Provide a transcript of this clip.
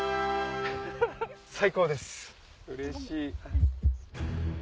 最高ですうれしい。